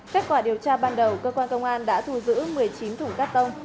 kết quả điều tra ban đầu cơ quan công an đã thu giữ một mươi chín thủng cát tông